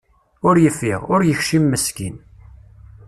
Ur yeffiɣ, ur yekcim meskin.